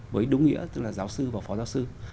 với đúng nghĩa tức là giáo sư và phó giáo sư